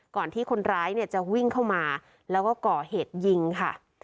ก่อนที่คนร้ายเนี่ยจะวิ่งเข้ามาแล้วก็ก่อเหตุยิงค่ะ